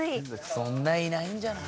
そんないないんじゃない？